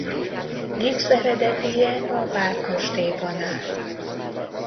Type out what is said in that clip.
Gipsz eredetije a Várkastélyban áll.